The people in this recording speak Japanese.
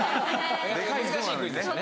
難しいクイズでしたね。